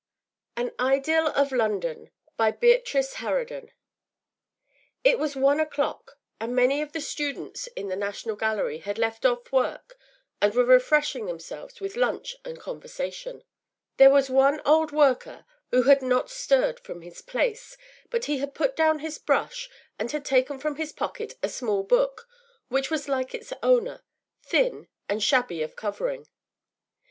AN IDYL OF LONDON, By Beatrice Harraden It was one o’clock, and many of the students in the National Gallery had left off work and were refreshing themselves with lunch and conversation. There was one old worker who had not stirred from his place, but he had put down his brush, and had taken from his pocket a small book, which was like its owner thin and shabby of covering.